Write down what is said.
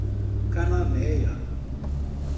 Cananéia